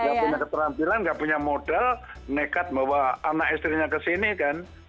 yang punya keterampilan gak punya modal nekat bawa anak istrinya kesini kan